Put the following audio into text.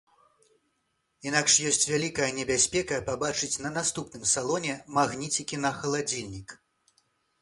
Інакш ёсць вялікая небяспека пабачыць на наступным салоне магніцікі на халадзільнік.